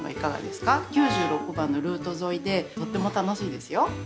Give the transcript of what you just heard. ９６番のルート沿いでとても楽しいですよ。